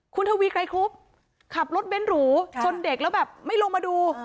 คุณทวีไกรครุบขับรถเบ้นหรูชนเด็กแล้วแบบไม่ลงมาดู